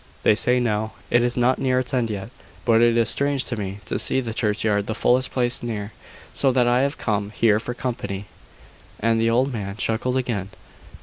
They say now, it is not near its end yet: but it is strange to me to see the churchyard the fullest place near, so that I have to come here for company." And the old man chuckled again.